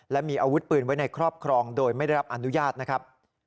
และมีอาวุธปืนไว้ในครอบครองโดยไม่ได้รับอนุญาตนะครับ